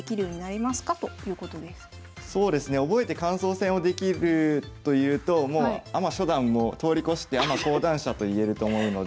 そうですね覚えて感想戦をできるというとアマ初段も通り越してアマ高段者といえると思うので。